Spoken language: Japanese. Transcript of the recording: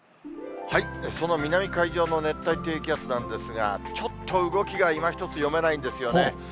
その南海上の熱帯低気圧なんですが、ちょっと動きがいまひとつ、読めないんですよね。